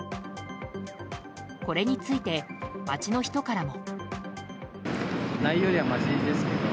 これについて、街の人からも。